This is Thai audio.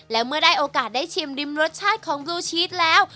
และเมื่อได้โอกาสได้ชิมริมรสชาติของบลูชีสแล้ว